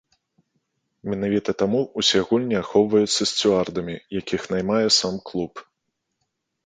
Менавіта таму ўсе гульні ахоўваюцца сцюардамі, якіх наймае сам клуб.